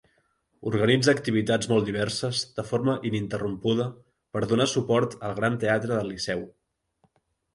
Organitza activitats molt diverses de forma ininterrompuda per donar suport al Gran Teatre del Liceu.